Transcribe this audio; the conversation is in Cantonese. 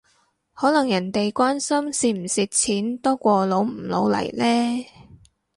可能人哋關心蝕唔蝕錢多過老唔老嚟呢？